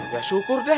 ya syukur deh